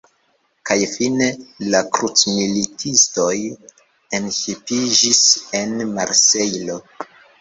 Kaj fine la “krucmilitistoj” enŝipiĝis en Marsejlo.